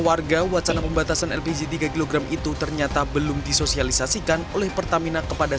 warga wacana pembatasan lpg tiga kg itu ternyata belum disosialisasikan oleh pertamina kepada